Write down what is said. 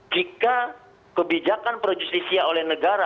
jika kebijakan pro justisia oleh negara